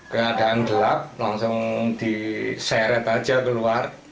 keadaan gelap langsung diseret aja keluar